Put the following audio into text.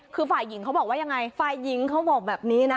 คือฝ่ายหญิงเขาบอกว่ายังไงฝ่ายหญิงเขาบอกแบบนี้นะ